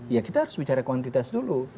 ya kita harus bicara kuantitas dulu